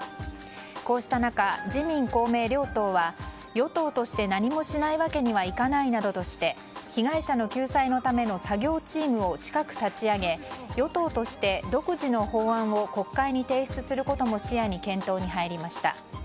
こうした中、自民党・公明両党は与党として何もしないわけにはいかないなどとして被害者の救済のための作業チームを近く立ち上げ与党として独自の法案を国会に提出することも視野に検討に入りました。